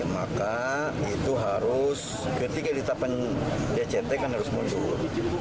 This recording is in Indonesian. maka itu harus ketika ditetapkan dct kan harus mundur